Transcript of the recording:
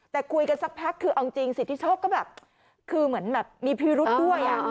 แต่คุยกันสักพักคือเอาจริงสิทธิโชคก็แบบคือเหมือนแบบมีพิรุษด้วย